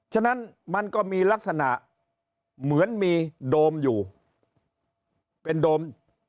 ฉะนั้นมันก็มีลักษณะเหมือนมีโดมอยู่เป็นโดม